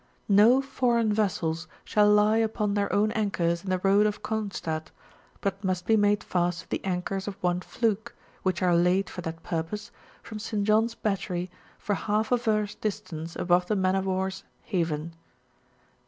No foreign vessels shall lie upon their own anchors in the Road of Cronstadt, but must be made fast to the anchors of one fluke, which are laid for that purpose, from St. John*s Battery for half a verst distance above the Man of War's Haven.